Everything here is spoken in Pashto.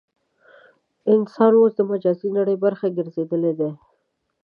انسان اوس د مجازي نړۍ برخه ګرځېدلی دی.